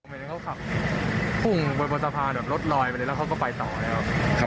เห็นเขาขับพุ่งบนสะพานแบบรถลอยไปแล้วเขาก็ไปต่อเลยครับ